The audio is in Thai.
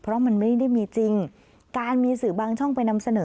เพราะมันไม่ได้มีจริงการมีสื่อบางช่องไปนำเสนอ